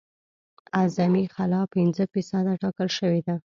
اعظمي خلا پنځه فیصده ټاکل شوې ده